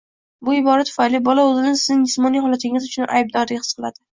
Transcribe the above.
Bu ibora tufayli bola o‘zini sizning jismoniy holatingiz uchun aybdordek his qiladi.